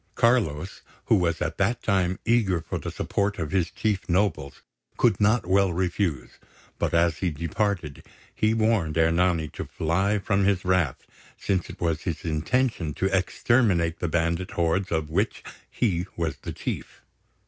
Carlos, who was at that time eager for the support of his chief nobles, could not well refuse; but, as he departed, he warned Ernani to fly from his wrath, since it was his intention to exterminate the bandit hordes of which he was the chief.